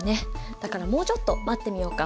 だからもうちょっと待ってみようか。